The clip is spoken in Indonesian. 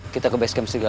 kita ke basecamp segala